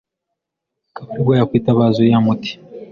akaba ari bwo yakwitabaza uriya muti.